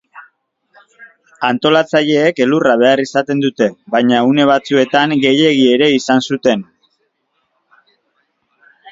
Antolatzaileek elurra behar izaten dute, baina une batzuetan gehiegi ere izan zuten.